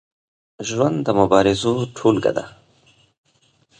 ژوند د مبارزو ټولګه ده.